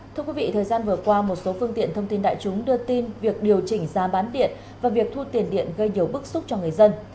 thưa quý vị thời gian vừa qua một số phương tiện thông tin đại chúng đưa tin việc điều chỉnh giá bán điện và việc thu tiền điện gây nhiều bức xúc cho người dân